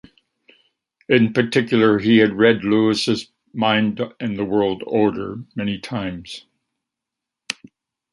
In particular, he had read Lewis' "Mind and the World Order" many times.